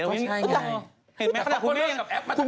เฟิบปี้